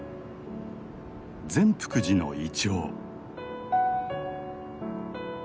善福寺のイチョウ。